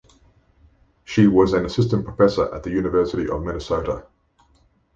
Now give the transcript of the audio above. She was an assistant professor at the University of Minnesota.